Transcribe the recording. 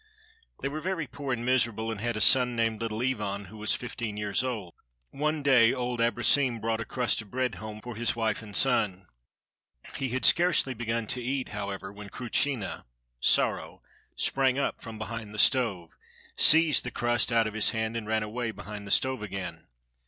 They were very poor and miserable, and had a son named Little Ivan, who was fifteen years old. One day old Abrosim brought a crust of bread home for his wife and son. He had scarcely begun to eat, however, when Krutschina (Sorrow) sprang up from behind the stove, seized the crust out of his hand, and ran away behind the stove again.